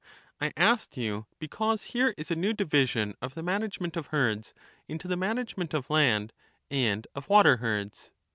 I asked you, because here is a new division of the management of herds, into the management of land and of water herds.